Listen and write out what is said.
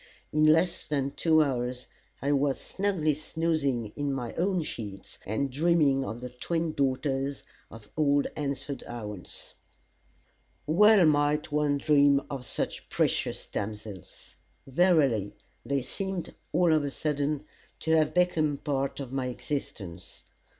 In less than two hours, I was snugly snoozing in my own sheets, and dreaming of the twin daughters of old Hansford Owens. Well might one dream of such precious damsels. Verily, they seemed, all of a sudden, to have become a part of my existence.